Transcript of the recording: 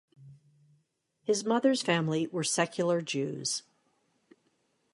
His mother's family were secular Jews.